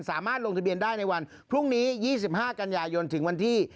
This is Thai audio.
สามารถลงทะเบียนได้ในวันพรุ่งนี้๒๕กัญญาโยน